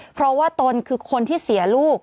เพราะว่าตนคือคนที่เสียลูก